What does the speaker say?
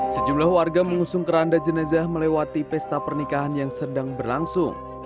sejumlah warga mengusung keranda jenazah melewati pesta pernikahan yang sedang berlangsung